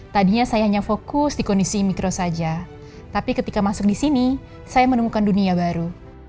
tadinya saya hanya fokus di kondisi mikro saja tapi ketika masuk di sini saya menemukan dunia baru